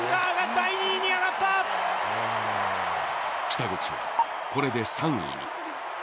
北口は、これで３位に。